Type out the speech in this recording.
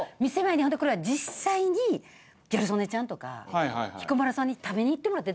ほんでこれは実際にギャル曽根ちゃんとか彦摩呂さんに食べにいってもらって。